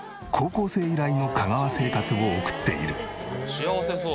幸せそう。